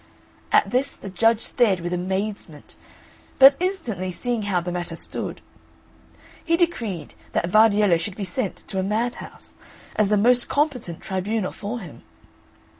At this the judge stared with amazement; but instantly seeing how the matter stood, he decreed that Vardiello should be sent to a madhouse, as the most competent tribunal for him.